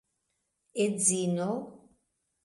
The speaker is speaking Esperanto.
edzino